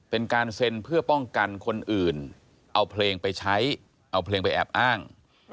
เป็นการเซ็นเพื่อป้องกันคนอื่นเอาเพลงไปใช้เอาเพลงไปแอบอ้าง